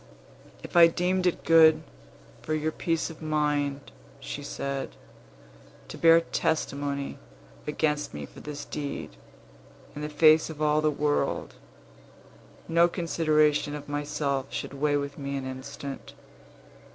"If I deemed it good for your peace of mind," she said, "to bear testimony against me for this deed in the face of all the world, no consideration of myself should weigh with me an instant.